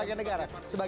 kami harus gila kembali